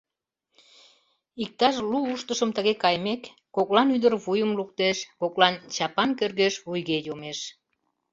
Иктаж лу уштышым тыге кайымек, коклан ӱдыр вуйым луктеш, коклан чапан кӧргеш вуйге йомеш.